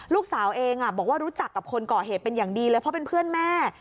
ลูกสาวเองบอกว่ารู้จักกับคนก่อเหตุเป็นอย่างดีเลยเพราะเป็นเพื่อนแม่